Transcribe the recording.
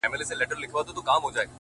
سم لكه ماهى يو سمندر تر ملا تړلى يم،